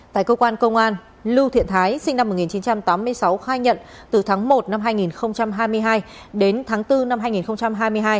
tại cơ quan công an lưu thiện thái sinh năm một nghìn chín trăm tám mươi sáu khai nhận từ tháng một năm hai nghìn hai mươi hai đến tháng bốn năm